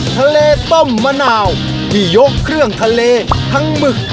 ทะเลต้มมะนาวที่ยกเครื่องทะเลทั้งหมึก